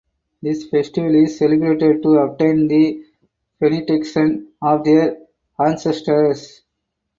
This festival is celebrated to obtain the benediction of their ancestors.